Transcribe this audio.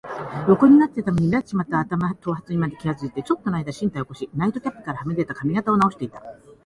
横になっていたために乱れてしまった頭髪にまで気がついて、ちょっとのあいだ身体を起こし、ナイトキャップからはみ出た髪形をなおしていた。